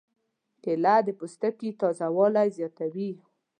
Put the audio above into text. کېله د پوستکي تازه والی زیاتوي.